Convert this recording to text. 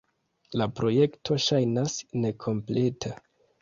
La projekto ŝajnas nekompleta.